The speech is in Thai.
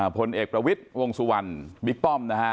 ผลเอกประวิทย์วงสุวรรณบิ๊กป้อมนะฮะ